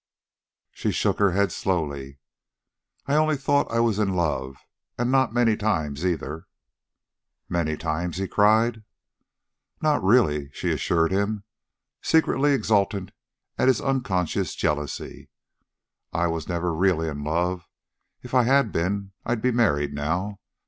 She shook her head slowly. "I only thought I was in love and not many times, either " "Many times!" he cried. "Not really ever," she assured him, secretly exultant at his unconscious jealousy. "I never was really in love. If I had been I'd be married now.